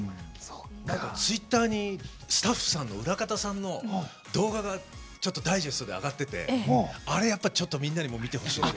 ツイッターにスタッフさん、裏方さんの動画が、ちょっとダイジェストで上がっててあれ、みんなにも見てほしいな。